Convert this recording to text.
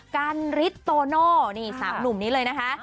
กันริดโตโน่นี่สาวหนุ่มนี้เลยนะคะ